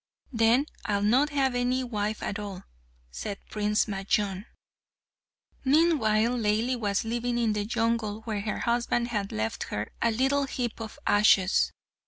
"Then I'll not have any wife at all," said Prince Majnun. Meanwhile Laili was living in the jungle where her husband had left her a little heap of ashes.